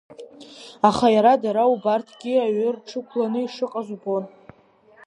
Аха иара дара убарҭгьы аҩы рҿықәланы ишыҟаз убон.